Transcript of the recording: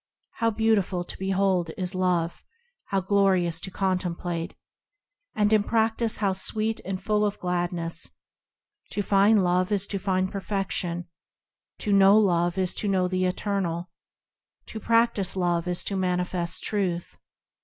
How beautiful to behold is Love! How glorious to contemplate ! And in practice how sweet and full of gladness! To find Love is to find Perfection; To know Love is to know the Eternal; To practise Love is to manifest Truth.